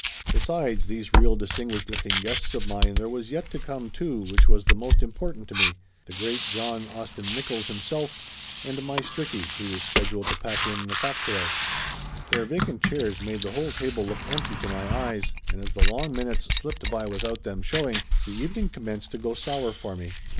Besides these real distinguished looking guests of mine there was yet to come two which was the most important to me, the great John Austin Nickolls him self, and my Stricky, who was scheduled to pack in the cocktails. Their vacant chairs made the whole table look empty to my eyes, and as the long minutes slipped by without them showing, the evening commenced to go sour for me.